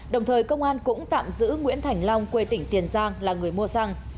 đồng thời công an cũng tạm giữ nguyễn thành long quê tỉnh tiền giang là người mua xăng